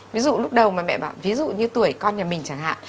ví dụ lúc đầu mà mẹ bạn ví dụ như tuổi con nhà mình chẳng hạn